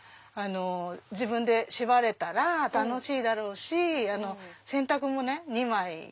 自分で縛れたら楽しいだろうし洗濯も２枚。